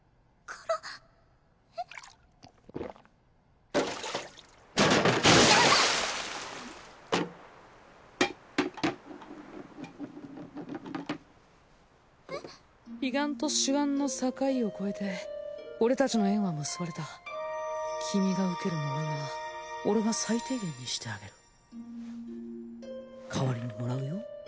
彼岸と此岸の境を超えて俺達の縁は結ばれた君が受ける呪いは俺が最低限にしてあげる代わりにもらうよ